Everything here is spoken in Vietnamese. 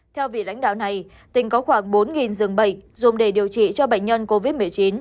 theo vị lãnh đạo này tỉnh có khoảng bốn dường bệnh dùng để điều trị cho bệnh nhân covid một mươi chín